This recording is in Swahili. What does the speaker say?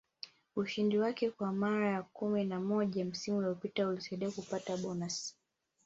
Ushindi wake wa mara kumi na moja msimu uliopita ulimsaidia kujipatia bonasi